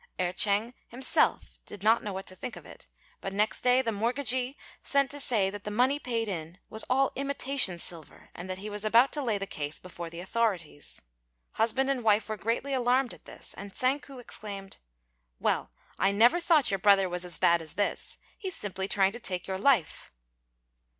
Erh ch'êng himself did not know what to think of it; but next day the mortgagee sent to say that the money paid in was all imitation silver, and that he was about to lay the case before the authorities. Husband and wife were greatly alarmed at this, and Tsang ku exclaimed, "Well, I never thought your brother was as bad as this. He's simply trying to take your life."